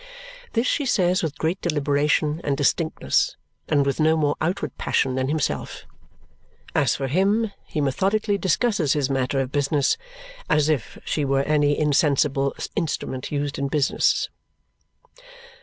This she says with great deliberation and distinctness and with no more outward passion than himself. As for him, he methodically discusses his matter of business as if she were any insensible instrument used in business.